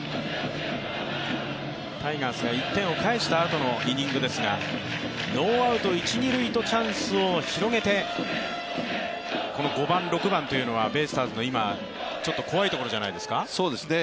タイガースが１点を返したあとのイニングですが、ノーアウト一・二塁とチャンスを広げてこの５番・６番というのはベイスターズの今、ちょっと怖いところじゃないですか。